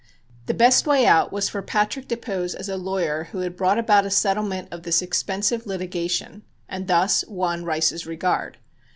The best way out was for Patrick to pose as a lawyer who had brought about a settlement of this expensive litigation and thus won Rice's regard.